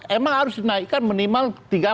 emang harus dinaikkan minimal